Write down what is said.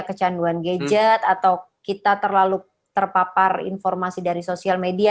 kecanduan gadget atau kita terlalu terpapar informasi dari sosial media